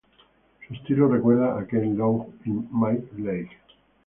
Su estilo recuerda a Ken Loach y Mike Leigh.